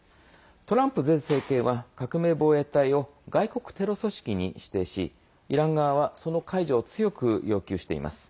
トランプ前政権は革命防衛隊を外国テロ組織に指定しイラン側はその解除を強く要求しています。